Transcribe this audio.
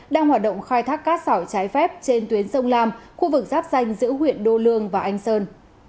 đang hoạt động khai thác cát sỏi trái phép trên tuyến sông lam khu vực giáp danh giữa huyện đô lương và anh sơn